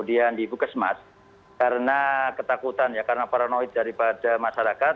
yang di buka smart karena ketakutan ya karena paranoid daripada masyarakat